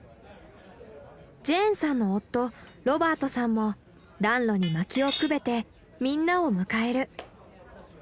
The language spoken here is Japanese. ジェーンさんの夫ロバートさんも暖炉に薪をくべてみんなを迎える。